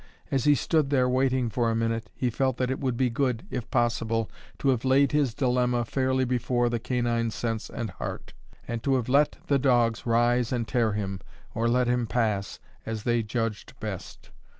As he stood there waiting for a minute, he felt that it would be good, if possible, to have laid his dilemma fairly before the canine sense and heart, and to have let the dogs rise and tear him or let him pass, as they judged best.